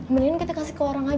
mendingan kita ke sana